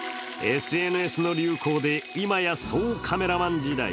ＳＮＳの流行で今や総カメラマン時代。